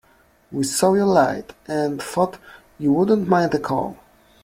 We saw your light, and thought you wouldn't mind a call.